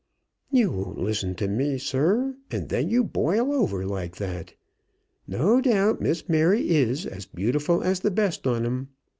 "You won't listen to me, sir, and then you boil over like that. No doubt Miss Mary is as beautiful as the best on 'em.